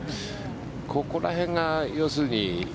ここら辺が要するに。